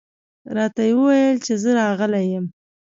راته یې وویل چې زه راغلی یم.